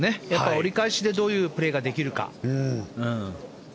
折り返しでどういうプレーができるか。